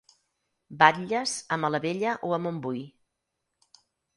Batlles a Malavella o a Montbui.